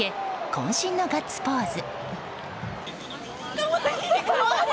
渾身のガッツポーズ！